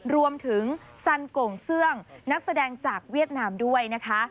รวมถึงสันโก่งเสื้องนักแสดงจากเวียดนามด้วยนะคะ